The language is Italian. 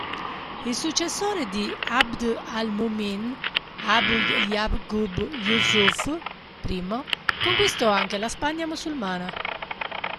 Il successore di ʿAbd al-Muʾmin, Abu Ya'qub Yusuf I, conquistò anche la Spagna musulmana.